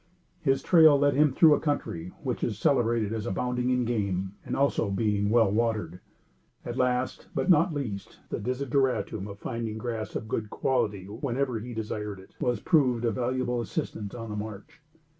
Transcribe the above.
His trail led him through a country which is celebrated as abounding in game, and also in being well watered, and last, but not least, the desideratum of finding grass of a good quality, whenever he desired it, was proved a valuable assistant on the march.